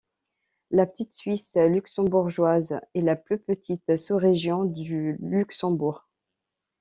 La Petite Suisse luxembourgeoise est la plus petite sous-région du Luxembourg.